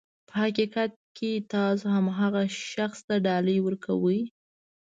په حقیقت کې تاسو هماغه شخص ته ډالۍ ورکوئ.